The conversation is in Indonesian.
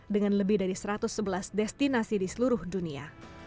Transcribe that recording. dengan lebih dari satu ratus sebelas destinasi di seluruh dunia